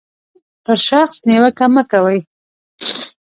پر شخص نیوکه مه کوئ.